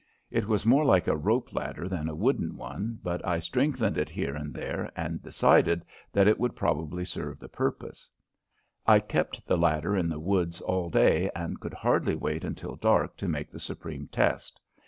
It was more like a rope ladder than a wooden one, but I strengthened it here and there and decided that it would probably serve the purpose. I kept the ladder in the woods all day and could hardly wait until dark to make the supreme test.